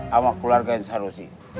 sama keluarga yang seharusnya